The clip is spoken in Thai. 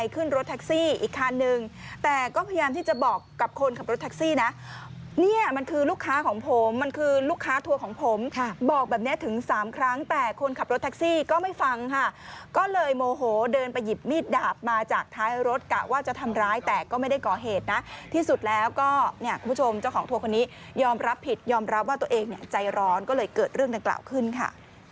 คือลูกค้าทั่วของผมบอกแบบเนี้ยถึงสามครั้งแต่คนขับรถแท็กซี่ก็ไม่ฟังค่ะก็เลยโมโหเดินไปหยิบมีดดาบมาจากท้ายรถกะว่าจะทำร้ายแต่ก็ไม่ได้ก่อเหตุนะที่สุดแล้วก็เนี่ยคุณผู้ชมเจ้าของทั่วคนนี้ยอมรับผิดยอมรับว่าตัวเองเนี่ยใจร้อนก็เลยเกิดเรื่องดังกล่าวขึ้นค่ะ